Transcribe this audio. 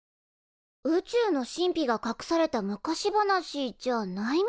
宇宙の神秘がかくされた昔話じゃないみたい。